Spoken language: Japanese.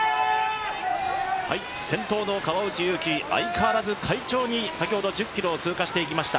先頭の川内優輝、相変わらず快調に、先ほど１０ｋｍを通過していきました。